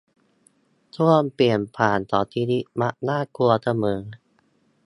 ช่วงเปลี่ยนผ่านของชีวิตมักน่ากลัวเสมอ